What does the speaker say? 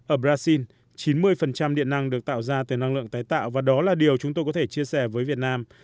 ở brazil chín mươi điện năng được tạo ra từ năng lượng tái tạo và đó là điều chúng tôi có thể chia sẻ với việt nam